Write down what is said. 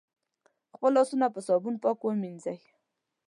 خپل لاسونه په صابون پاک ومېنځی